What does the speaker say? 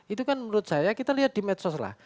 itu kan menurut saya kita lihat di medsos lah